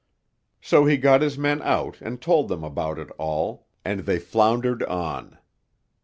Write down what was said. So he got his men out and told them about it all, and they floundered on.